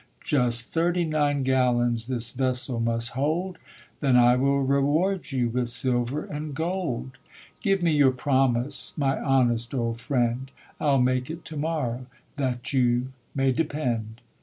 Just thirty nine gallons this vessel must hold, Then I will reward you with silver and gold. Give me your promise, my honest old friend?" "I'll make it to morrow, that you may depend